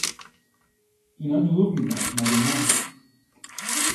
اینا دروغ میگن مگه نه ؟